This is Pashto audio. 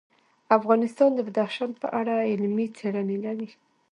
افغانستان د بدخشان په اړه علمي څېړنې لري.